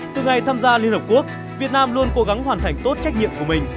từ ngày tham gia liên hợp quốc việt nam luôn cố gắng hoàn thành tốt trách nhiệm của mình